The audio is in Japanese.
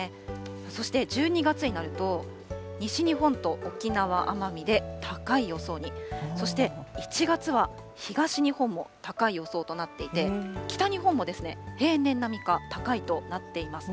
そして１２月になると、西日本と沖縄・奄美で高い予想に、そして、１月は東日本も高い予想となっていて、北日本も平年並みか高いとなっています。